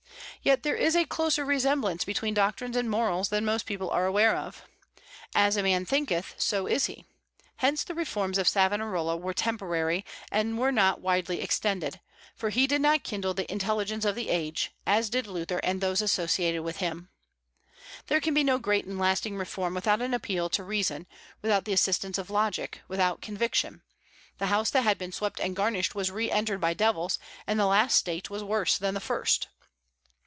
Yet there is a closer resemblance between doctrines and morals than most people are aware of. As a man thinketh, so is he. Hence, the reforms of Savonarola were temporary, and were not widely extended; for he did not kindle the intelligence of the age, as did Luther and those associated with him. There can be no great and lasting reform without an appeal to reason, without the assistance of logic, without conviction. The house that had been swept and garnished was re entered by devils, and the last state was worse than the first.